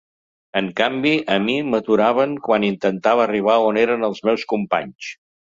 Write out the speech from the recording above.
En canvi, a mi m’aturaven quan intentava arribar on eren els meus companys.